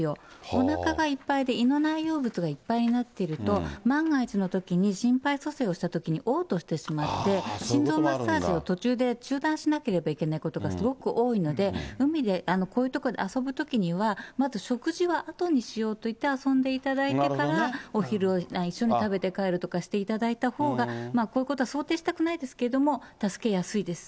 おなかがいっぱいで、胃の内容物がいっぱいになっていると、万が一のときに心肺蘇生をしたときにおう吐してしまって、心臓マッサージを途中で中断しなければいけないことがすごく多いので、海で、こういう所で遊ぶときには、まず食事はあとにしようと、遊んでいただいてから、お昼を一緒に食べて帰るとかしていただいたほうが、こういうことは想定したくないですけれども、助けやすいです。